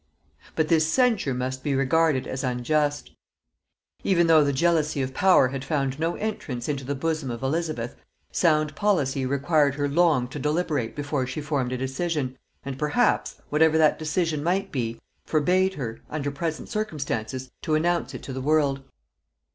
But this censure must be regarded as unjust. Even though the jealousy of power had found no entrance into the bosom of Elizabeth, sound policy required her long to deliberate before she formed a decision, and perhaps, whatever that decision might be, forbade her, under present circumstances, to announce it to the world.